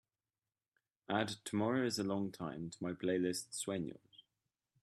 Add Tomorrow Is a Long Time to my playlist Sueños